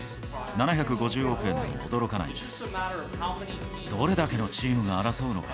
７５０億円でも驚かないです。